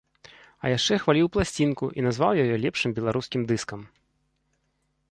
А яшчэ хваліў пласцінку і назваў яе лепшым беларускім дыскам.